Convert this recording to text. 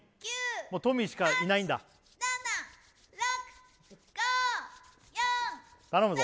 もうトミーしかいないんだ頼むぞ